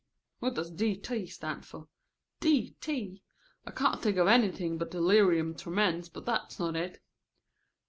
What does d. t. stand for? d. t.? I can't think of anything but delirium tremens, but that's not it.